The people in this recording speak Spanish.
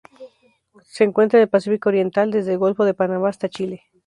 Se encuentra en el Pacífico oriental: desde el Golfo de Panamá hasta Chile.